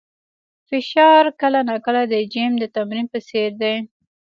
فشار کله ناکله د جیم د تمرین په څېر دی.